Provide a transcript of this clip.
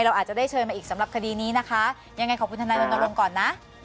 เราอาจจะได้เชิญมาอีกสำหรับคดีนี้นะคะยังไงขอบคุณทนายรณรงค์ก่อนนะ